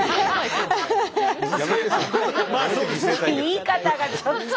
言い方がちょっと。